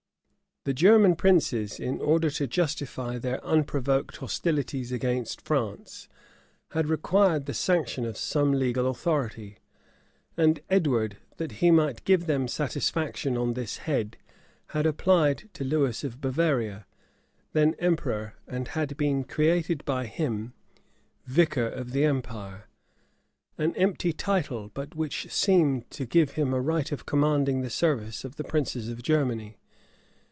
} The German princes, in order to justify their unprovoked hostilities against France, had required the sanction of some legal authority; and Edward, that he might give them satisfaction on this head, had applied to Lewis of Bavaria, then emperor, and had been created by him "vicar of the empire;" an empty title, but which seemed to give him a right of commanding the service of the princes of Germany.